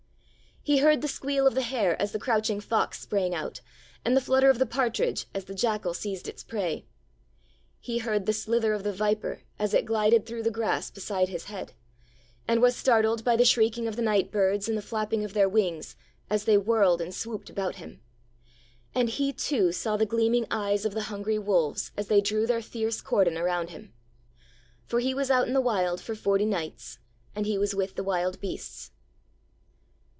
He heard the squeal of the hare as the crouching fox sprang out; and the flutter of the partridge as the jackal seized its prey. He heard the slither of the viper as it glided through the grass beside His head; and was startled by the shrieking of the nightbirds, and the flapping of their wings, as they whirled and swooped about Him. And He too saw the gleaming eyes of the hungry wolves as they drew their fierce cordon around Him. For He was out in the Wild for forty nights, and He was with the wild beasts.